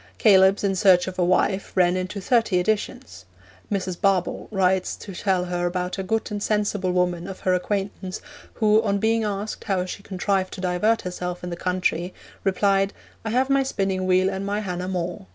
Caelebs in Search of a Wife ran into thirty editions. Mrs. Barbauld writes to tell her about 'a good and sensible woman' of her acquaintance, who, on being asked how she contrived to divert herself in the country, replied, 'I have my spinning wheel and my Hannah More.